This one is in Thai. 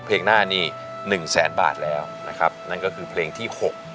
เพลงหน้านี้๑แสนบาทแล้วนะครับนั่นก็คือเพลงที่๖